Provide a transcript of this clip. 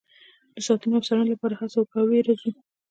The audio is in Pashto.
د ساتنې او څارنې لپاره یې هڅه وکړو او ویې روزو.